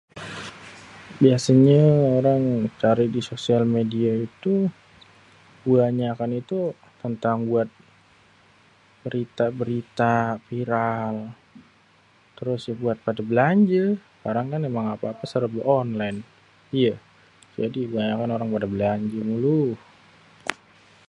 biasenye orang cari di sosial media itu, kebanyakan itu tentang buat, berita-berita viral, terus buat pade belanje, sekarang kan ape-ape serbe onlen [iyeh], jadi kebanyakan orang pade belanje mulu.